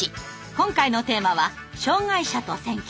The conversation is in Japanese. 今回のテーマは「障害者と選挙」。